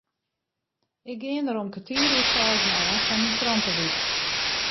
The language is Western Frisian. Ik gean der om kertier oer seizen ôf foar myn krantewyk.